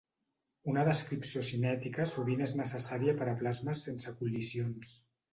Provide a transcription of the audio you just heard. Una descripció cinètica sovint és necessària per a plasmes sense col·lisions.